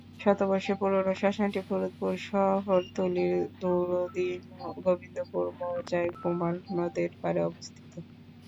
শতবর্ষের পুরোনো শ্মশানটি ফরিদপুর শহরতলির ধুলদী গোবিন্দপুর মৌজায় কুমার নদের পাড়ে অবস্থিত।